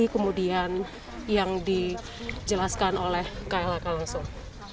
kemudian yang dijelaskan oleh klhk langsung